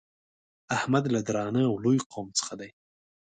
احمد له درانه او لوی قوم څخه دی.